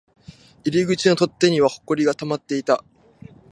入り口の取っ手には埃が溜まっていた